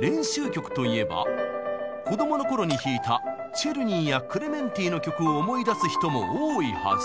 練習曲といえば子供の頃に弾いたチェルニーやクレメンティの曲を思い出す人も多いはず。